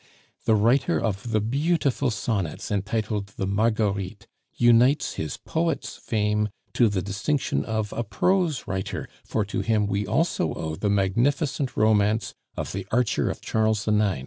The writer of the beautiful sonnets entitled the Marguerites unites his poet's fame to the distinction of a prose writer, for to him we also owe the magnificent romance of _The Archer of Charles IX.